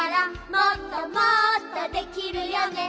「もっともっとできるよね」